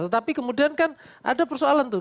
tetapi kemudian kan ada persoalan tuh